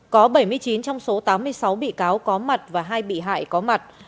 có bảy mươi chín trong số tám mươi sáu bị cáo có mặt và hai bị hại có mặt